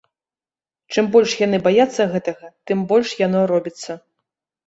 Чым больш яны баяцца гэтага, тым больш яно робіцца.